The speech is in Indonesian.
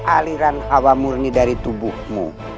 aliran awamurni dari tubuhmu